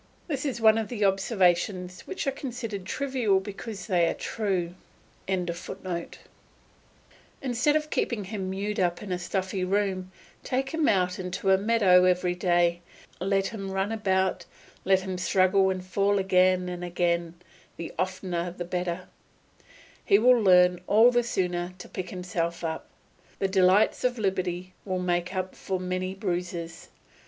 This is one of the observations which are considered trivial because they are true.] Instead of keeping him mewed up in a stuffy room, take him out into a meadow every day; let him run about, let him struggle and fall again and again, the oftener the better; he will learn all the sooner to pick himself up. The delights of liberty will make up for many bruises.